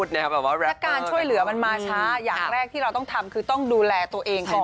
แล้วการช่วยเหลือมันมาช้าอย่างแรกที่เราต้องทำคือต้องดูแลตัวเองก่อน